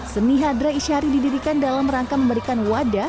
seni hadrah isyari didirikan dalam rangkaan keterangan